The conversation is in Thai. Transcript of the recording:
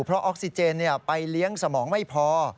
เพราะออกซิเจนไปเลี้ยงสมองไม่พอ